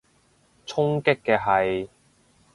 衝擊嘅係？